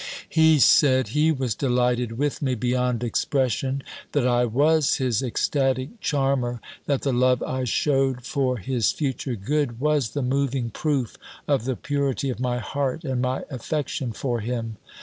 He said, he was delighted with me beyond expression; that I was his ecstatic charmer! That the love I shewed for his future good was the moving proof of the purity of my heart, and my affection for him.